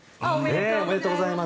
おめでとうございます。